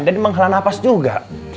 dan dia menghala nafas juga